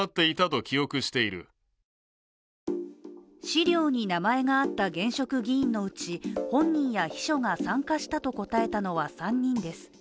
資料に名前があった現職議員のうち本人や秘書が参加したと答えたのは３人です。